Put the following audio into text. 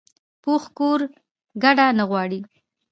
پوخ کور کډه نه غواړي